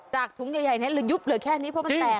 ถุงใหญ่นั้นหรือยุบเหลือแค่นี้เพราะมันแตก